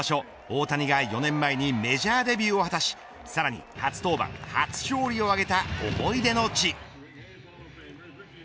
大谷が４年前にメジャーデビューを果たしさらに初登板初勝利を挙げた思い出の地。